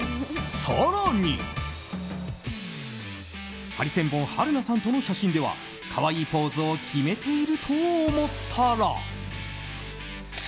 更に、ハリセンボン春奈さんとの写真では可愛いポーズを決めていると思ったら。